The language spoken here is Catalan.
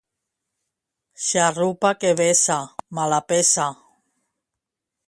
—Xarrupa que vessa. —Mala peça!